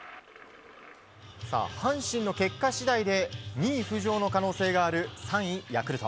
阪神の結果次第で２位浮上の可能性がある３位ヤクルト。